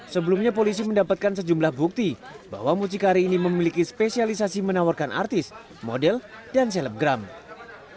sebelumnya polisi mendapatkan sejumlah bukti bahwa mucikari ini memiliki spesialisasi menawarkan artis model dan selebgram